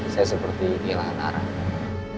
saya seperti kehilangan arah